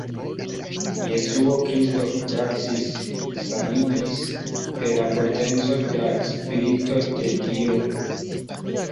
Jesuo Kristo kuracis-sanigis per la potenco de la Spirito de Dio.